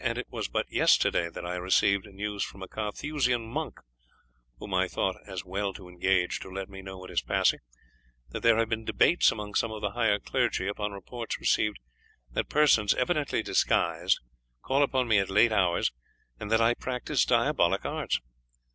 And it was but yesterday that I received news from a Carthusian monk, whom I thought it as well to engage to let me know what is passing, that there have been debates among some of the higher clergy upon reports received that persons, evidently disguised, call upon me at late hours, and that I practise diabolic arts.